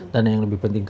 dan yang lebih penting